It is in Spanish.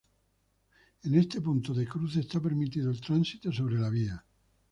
En ese punto de cruce está permitido el tránsito sobre la vía.